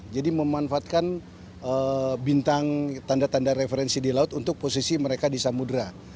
jadi memanfaatkan bintang tanda tanda referensi di laut untuk posisi mereka di samudera